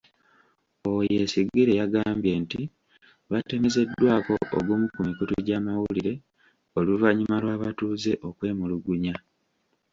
Owoyesigire yagambye nti, batemezeddwako ogumu ku mikutu gy’amawulire oluvannyuma lw’abatuuze okwemulugunya.